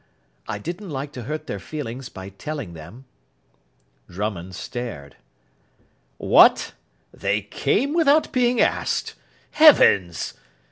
I didn't like to hurt their feelings by telling them." Drummond stared. "What, they came without being asked! Heavens!